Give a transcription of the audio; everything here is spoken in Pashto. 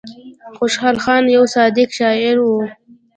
خوشال خان يو صادق شاعر وو ـ